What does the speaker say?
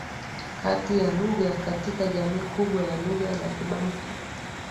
kati ya lugha katika jamii kubwa ya lugha za kibantu